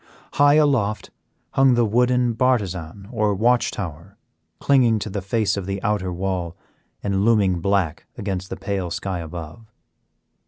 High aloft hung the wooden bartizan or watch tower, clinging to the face of the outer wall and looming black against the pale sky above.